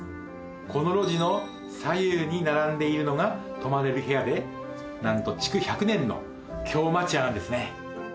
この路地の左右に並んでいるのが泊まれる部屋で何と築１００年の京町家なんですね